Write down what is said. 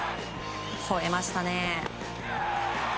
ほえましたね。